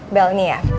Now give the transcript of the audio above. bel nih ya